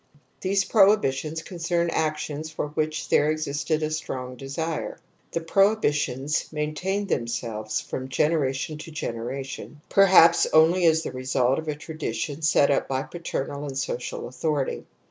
^ These prohibitions con Jcemed actions for which there existed a strong desire. \The prohibitions maintained them selves from generation to generation, perhaps only as the result of a tradition set up by paternal and social authority.